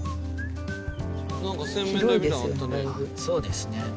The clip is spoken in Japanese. そうですね。